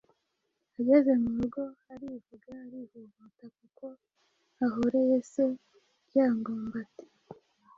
ageze mu rugo arivuga arivovota kuko ahoreye se Ryangombe ati: “